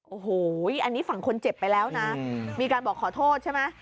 โอ้โหอันนี้ฝั่งคนเจ็บไปแล้วนะมีการบอกขอโทษใช่ไหม